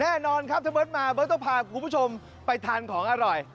แน่นอนครับถ้าเบิร์ตมาเบิร์ตต้องพาคุณผู้ชมไปทานของอร่อย